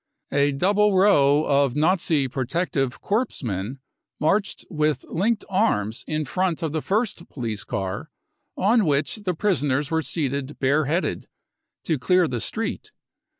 A double row of Nazi protective corps men marched with linked arms in front of the first police car, on which the prisoners were seated bare headed, to clear the street.